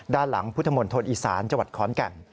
ด้านหลังพุทธมนตร์ธนตร์อีสานจังหวัดข้อนแก่น